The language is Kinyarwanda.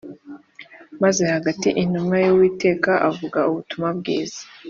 Maze Hagayi intumwa y Uwiteka avuga ubutumwa bwiza